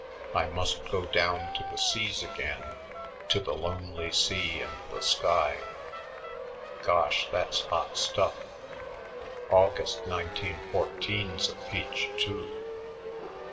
"I must go down to the seas again, To the lonely sea and the sky.... Gosh! that's hot stuff. 'August, 1914''s a peach, too."